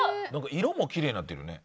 色もきれいになってるね。